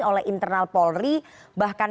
oleh internal polri bahkan